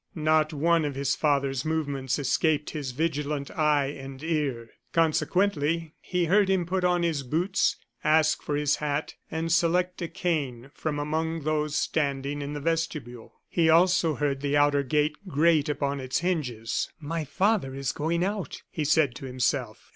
Not one of his father's movements escaped his vigilant eye and ear. Consequently, he heard him put on his boots, ask for his hat, and select a cane from among those standing in the vestibule. He also heard the outer gate grate upon its hinges. "My father is going out," he said to himself.